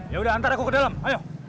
yaudah hantar aku ke dalam ayo